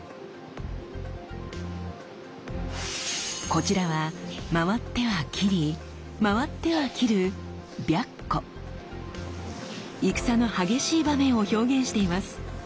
こちらは回っては斬り回っては斬る戦の激しい場面を表現しています。